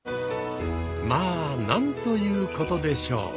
まあなんということでしょう！